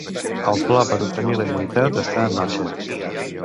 El pla per obtenir la immunitat està en marxa